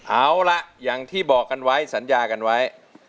เอาล่ะอย่างที่บอกกันไว้สัญญากันไว้